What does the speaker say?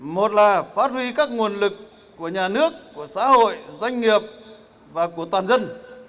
một là phát huy các nguồn lực của nhà nước của xã hội doanh nghiệp và của toàn dân